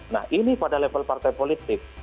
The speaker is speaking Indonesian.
nah ini pada level partai politik